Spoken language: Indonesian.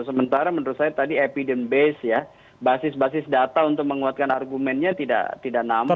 sementara menurut saya tadi evidence base ya basis basis data untuk menguatkan argumennya tidak nampak